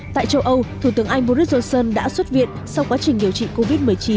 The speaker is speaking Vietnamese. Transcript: tại châu âu thủ tướng anh boris johnson đã xuất viện sau quá trình điều trị covid một mươi chín